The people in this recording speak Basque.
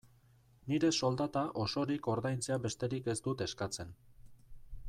Nire soldata osorik ordaintzea besterik ez dut eskatzen.